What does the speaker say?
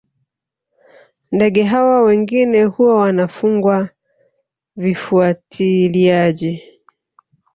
Ndege hawa wengine huwa wanafungwa vifuatiliaji